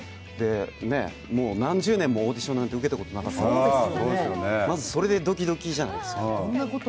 もう何十年もオーディションなんか受けたことなかったので、まず、それでドキドキじゃないですか。